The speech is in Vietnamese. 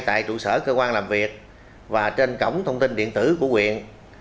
tại trụ sở cơ quan làm việc và trên cổng thông tin điện tử của quyện